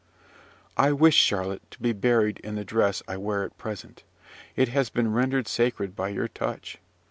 "I wish, Charlotte, to be buried in the dress I wear at present: it has been rendered sacred by your touch.